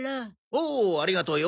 おうありがとよ。